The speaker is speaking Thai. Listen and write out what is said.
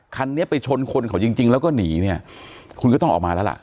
คันนี้ไปชนคนเขาจริงจริงแล้วก็หนีเนี่ยคุณก็ต้องออกมาแล้วล่ะ